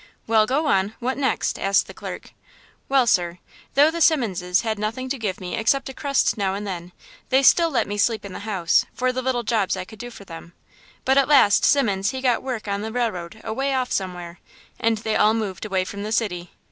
"Well, go on! What next?" asked the clerk. "Well, sir, though the Simmonses had nothing to give me except a crust now and then, they still let me sleep in the house, for the little jobs I could do for them. But at last Simmons he got work on the railroad away off somewhere, and they all moved away from the city."